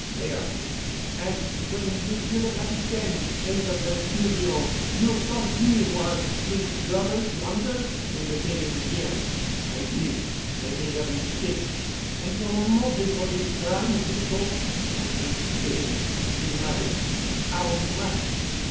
"They are." "And when Monsieur le Capitaine entered the studio, you thought he was his brother—yonder?" indicating Jim. "I did. I made a mistake——" "And your motive for this crime, Tricot?" "I was paid," he muttered. "How much?"